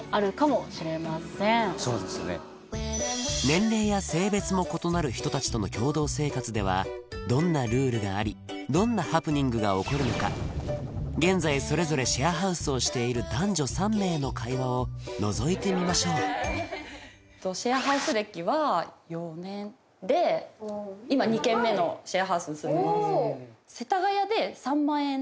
年齢や性別も異なる人達との共同生活ではどんなルールがありどんなハプニングが起こるのか現在それぞれシェアハウスをしている男女３名の会話をのぞいてみましょうシェアハウス歴は４年で今２軒目のシェアハウスに住んでますえっ１カ月？